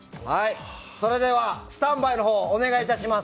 それではスタンバイの方をお願いします。